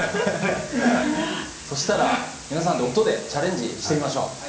そしたら皆さん音でチャレンジしてみましょう。